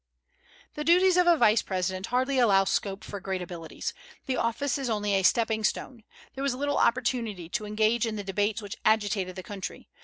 The duties of a vice president hardly allow scope for great abilities. The office is only a stepping stone. There was little opportunity to engage in the debates which agitated the country.